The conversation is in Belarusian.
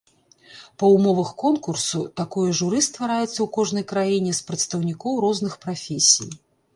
Па ўмовах конкурсу, такое журы ствараецца ў кожнай краіне з прадстаўнікоў розных прафесій.